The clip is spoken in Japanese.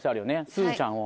すずちゃんを。